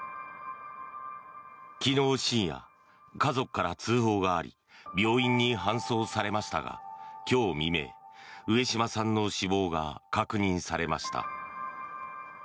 昨日深夜、家族から通報があり病院に搬送されましたが今日未明、上島さんの死亡が確認されました。